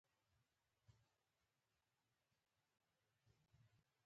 لیدل یې زما لپاره د تاریخ او عقیدې ژوره سپړنه وه.